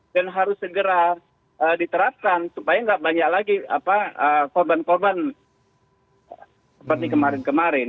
dan harus segera diterapkan supaya tidak banyak lagi apa korban korban seperti kemarin kemarin